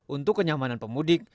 untuk kenyamanan pemudik